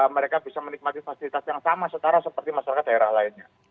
mereka bisa menikmati fasilitas yang sama setara seperti masyarakat daerah lainnya